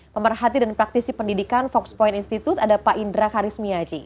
pemerhati dan praktisi pendidikan fox point institute ada pak indra karismiaji